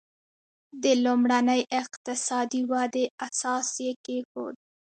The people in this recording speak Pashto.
د لومړنۍ اقتصادي ودې اساس یې کېښود.